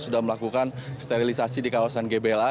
sudah melakukan sterilisasi di kawasan gbla